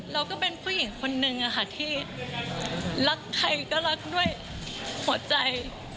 ก็เป็นผู้หญิงคนนึงอะค่ะที่รักใครก็รักด้วยหัวใจ